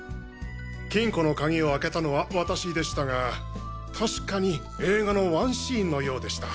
金庫の鍵を開けたのは私でしたが確かに映画のワンシーンのようでした。